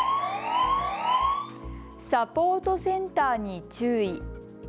サポートセンターに注意。